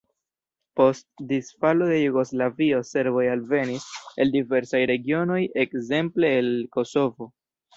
Post disfalo de Jugoslavio serboj alvenis el diversaj regionoj, ekzemple el Kosovo.